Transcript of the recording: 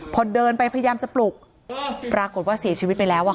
พอเดินไปพยายามจะปลุกปรากฏว่าเสียชีวิตไปแล้ว